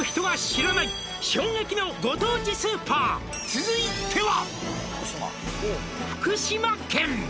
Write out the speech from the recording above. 「続いては」